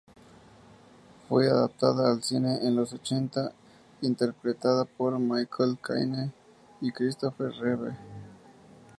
Fue adaptada al cine en los ochenta interpretada por Michael Caine y Christopher Reeve.